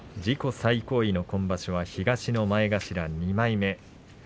自己最高位の今場所は東の前頭２枚目。